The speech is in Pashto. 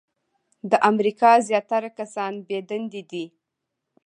د امریکا زیاتره کسان بې دندې دي .